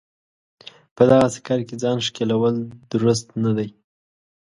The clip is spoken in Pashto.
په دغسې کار کې ځان ښکېلول درست نه دی.